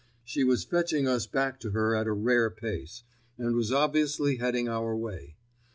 She was fetching us back to her at a rare pace, and was obviously heading our way.